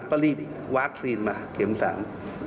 ก็รีบวัคซีนมาเข็มสาม